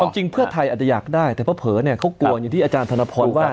จริงเพื่อไทยอาจจะอยากได้แต่เผลอเขากลัวอย่างที่อาจารย์ธนพรว่า